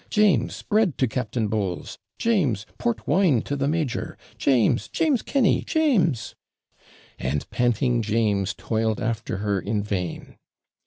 James! bread to Captain Bowles! James! port wine to the major! James! James Kenny! James!' 'And panting James toiled after her in vain.'